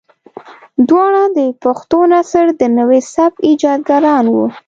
دواړه د پښتو نثر د نوي سبک ايجادګران وو.